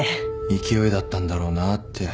勢いだったんだろうなって。